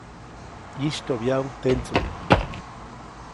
ʼYistyoʼbyaʼuŋ tendsuŋ.